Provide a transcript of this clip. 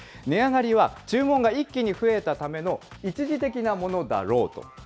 値上がりは注文が一気に増えたための一時的なものだろうと。